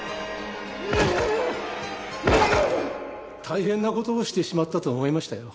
大変な事をしてしまったと思いましたよ。